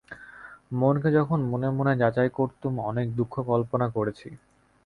মনকে যখন মনে মনে যাচাই করতুম অনেক দুঃখ কল্পনা করেছি।